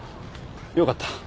よかった。